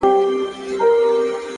بيا دي توري سترگي زما پر لوري نه کړې ـ